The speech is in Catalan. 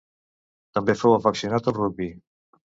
També fou afeccionat al rugbi.